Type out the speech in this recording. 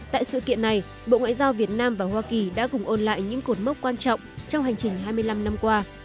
tại sự kiện này bộ ngoại giao việt nam và hoa kỳ đã cùng ôn lại những cột mốc quan trọng trong hành trình hai mươi năm năm qua